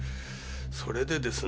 それでですね